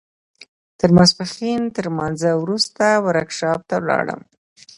د ماسپښين تر لمانځه وروسته ورکشاپ ته ولاړم.